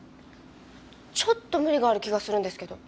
ちょっと無理がある気がするんですけど。